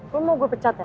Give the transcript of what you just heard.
lo mau gue pecat ya